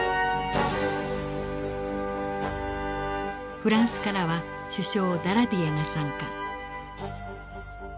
フランスからは首相ダラディエが参加。